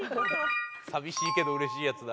寂しいけど嬉しいやつだ。